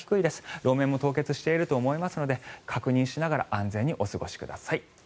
路面も凍結していると思いますので確認しながら安全にお過ごしください。